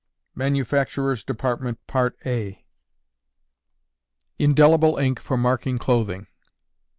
MANUFACTURERS' DEPARTMENT. _Indelible Ink for Marking Clothing.